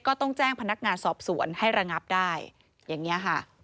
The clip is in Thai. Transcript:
ก็ต้องแจ้งพนักงานสอบสวนให้ระงับได้อย่างนี้ค่ะ